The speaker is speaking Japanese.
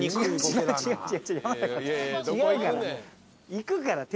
違うから。